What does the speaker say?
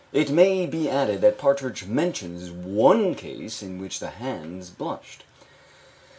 It may be added that Partridge mentions one case in which the hands blushed.